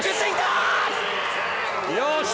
よし！